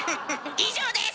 以上です！